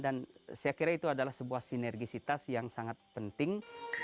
dan saya kira itu adalah sebuah sinergisitas yang sangat penting